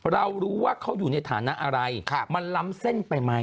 เรารู้ว่าเขาอยู่ในฐานะอะไรมันล้ำเส้นไปไหม